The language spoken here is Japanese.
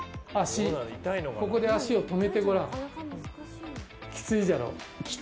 ここで足を止めてみるときついじゃろ？